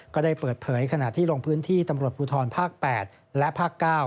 ก็ได้เปิดเผยขณะที่ลงพื้นที่ตำรวจภูทรภาค๘และภาค๙